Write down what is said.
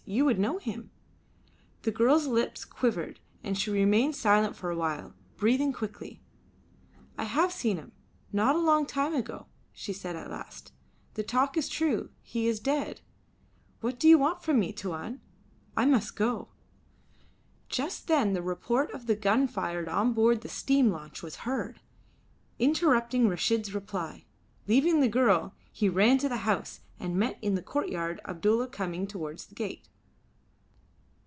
You would know him." The girl's lips quivered and she remained silent for a while, breathing quickly. "I have seen him, not a long time ago," she said at last. "The talk is true; he is dead. What do you want from me, Tuan? I must go." Just then the report of the gun fired on board the steam launch was heard, interrupting Reshid's reply. Leaving the girl he ran to the house, and met in the courtyard Abdulla coming towards the gate.